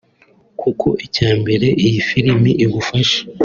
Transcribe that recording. kuko icya mbere iyi filimi igufasha